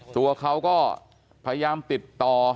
ตัวเขาก็พยายามติดต่อ